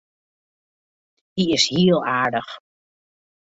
Hy is hiel aardich.